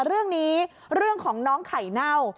เรื่องนี้เรื่องของน้องไข่เน่า